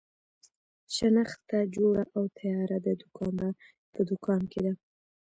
شنخته جوړه او تیاره د دوکاندار په دوکان کې ده.